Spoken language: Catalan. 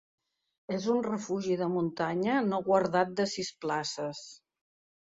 És un refugi de muntanya no guardat de sis places.